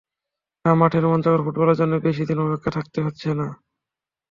না, মাঠের রোমাঞ্চকর ফুটবলের জন্য বেশি দিন অপেক্ষায় থাকতে হচ্ছে না।